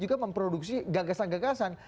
juga memproduksi gagasan gagasan